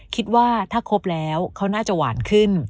คิดว่าถ้าครบแล้วเขาน่าจะหวานขึ้น